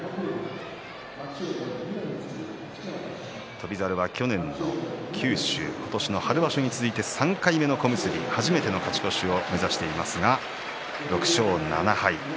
翔猿は去年の九州、今年の春場所に続いて３回目の小結初めての勝ち越しを目指していますが６勝７敗。